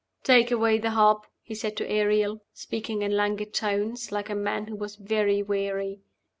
"Take away the harp," he said to Ariel, speaking in languid tones, like a man who was very weary.